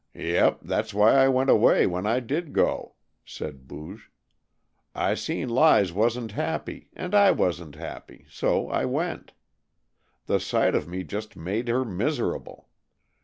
"Yep! That's why I went away, when I did go," said Booge. "I seen Lize wasn't happy, and I wasn't happy, so I went. The sight of me just made her miserable.